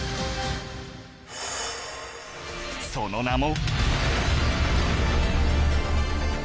その名も